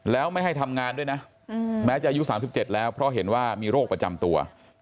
แล้วไม่ให้ทำงานด้วยนะแม้จะอายุ๓๗แล้วเพราะเห็นว่ามีโรคประจำตัว